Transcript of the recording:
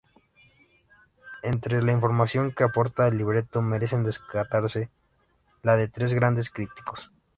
Entre la información que aporta el libreto merecen destacarse la de tres grandes críticos.